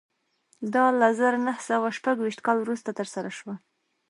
دا له زر نه سوه شپږ ویشت کال وروسته ترسره شوه